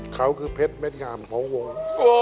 เขาคือเพชรเม็ดงามของวง